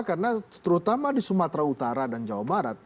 karena terutama di sumatera utara dan jawa barat